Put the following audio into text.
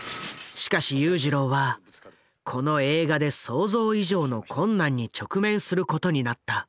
しかし裕次郎はこの映画で想像以上の困難に直面することになった。